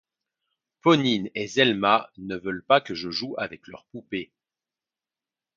Ponine et Zelma ne veulent pas que je joue avec leurs poupées.